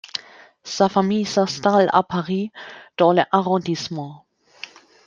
Sa famille s'installe à Paris dans le arrondissement.